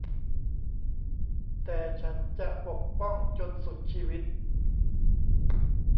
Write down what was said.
แต่ฉันจะปกป้องจนสุดชีวิต